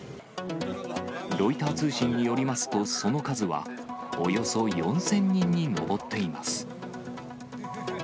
ロイター通信によりますと、その数はおよそ４０００人に上っています。